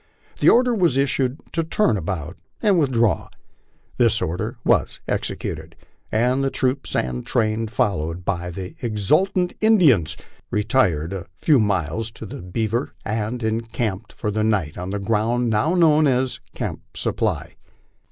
The order was issued to turn about and withdraw. This order was executed, and the troop and train, fol lowed by the exultant Indians, retired a few miles to the Beaver, and encamped for the night on the ground now known as " Camp Supply."